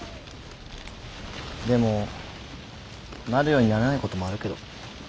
でもなるようにならないもこともあるけど。